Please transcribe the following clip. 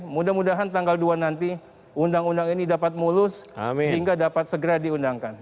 mudah mudahan tanggal dua nanti undang undang ini dapat mulus sehingga dapat segera diundangkan